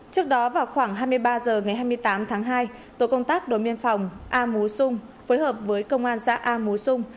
trước đó vào khoảng hai mươi ba h ngày hai mươi tám tháng hai tổ công tác đối biên phòng a mú xung phối hợp với công an xã a mú xung